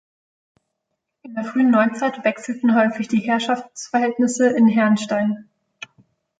In der frühen Neuzeit wechselten häufig die Herrschaftsverhältnisse in Hernstein.